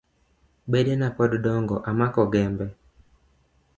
Bedena pod dongo amako gembe.